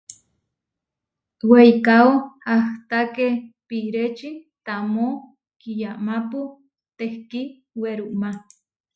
Weikáo ahtaké pireči tamó kiyamápu tehkí werumá.